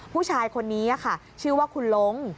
ผู้ชายคนนี้ค่ะชื่อว่าคุณล้ง